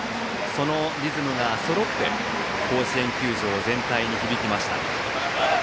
そのリズムがそろって甲子園球場全体に響きました。